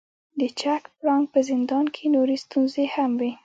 د چک پراګ په زندان کې نورې ستونزې هم وې.